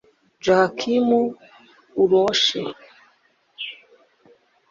Joakim Oluoch